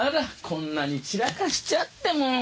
こんなに散らかしちゃってもう！